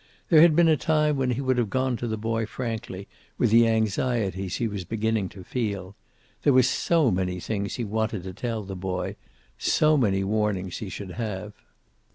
There had been a time when he would have gone to the boy frankly, with the anxieties he was beginning to feel. There were so many things he wanted to tell the boy. So many warnings he should have.